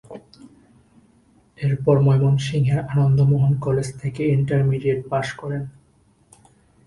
এরপর ময়মনসিংহের আনন্দমোহন কলেজ থেকে ইন্টারমিডিয়েট পাশ করেন।